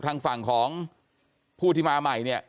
ทางฝั่งของผู้ที่มาใหม่เนี่ย